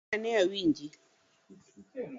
Pakri ane awinji.